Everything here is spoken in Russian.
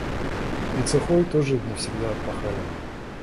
Ведь сохой тоже не всегда пахали.